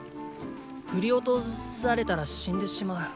ふり落とされたら死んでしまう。